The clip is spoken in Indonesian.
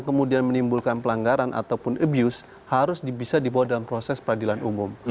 kemudian menimbulkan pelanggaran ataupun abuse harus bisa dibawa dalam proses peradilan umum